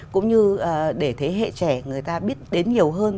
cũng như để thế hệ trẻ người ta biết đến nhiều hơn